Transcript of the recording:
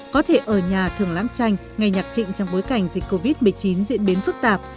có thể ở nhà thường lãm tranh ngày nhạc trịnh trong bối cảnh dịch covid một mươi chín diễn biến phức tạp